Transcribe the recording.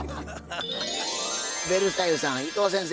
ベルサイユさん伊藤先生